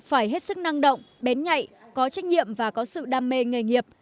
phải hết sức năng động bén nhạy có trách nhiệm và có sự đam mê nghề nghiệp